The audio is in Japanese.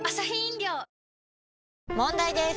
問題です！